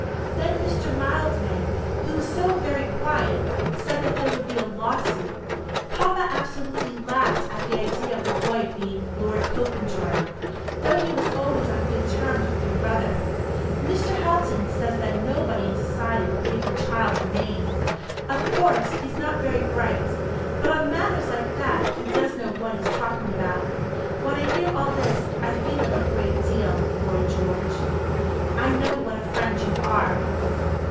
Then Mr. Mildmay, who is so very quiet, said that there would be a lawsuit. Papa absolutely laughed at the idea of the boy being Lord Popenjoy, though he was always on good terms with your brother. Mr. Houghton says that nobody in society will give the child the name. Of course he's not very bright, but on matters like that he does know what he's talking about. When I hear all this I feel it a great deal, Lord George." "I know what a friend you are."